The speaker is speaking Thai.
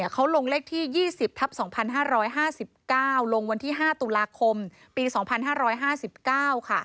เขาลงเลขที่๒๐ทับ๒๕๕๙ลงวันที่๕ตุลาคมปี๒๕๕๙ค่ะ